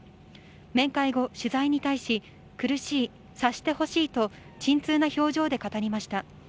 面会後、取材に対し苦しい、察してほしいと沈痛な表情で語りました。